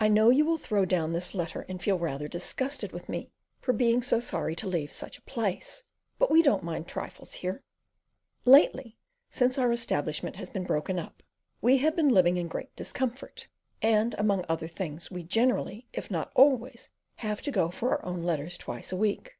I know you will throw down this letter and feel rather disgusted with me for being sorry to leave such a place, but we don't mind trifles here. Lately, since our own establishment has been broken up, we have been living in great discomfort; and among other things we generally, if not always, have to go for our own letters twice a week.